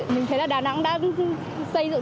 mình thấy là đà nẵng đang xây dựng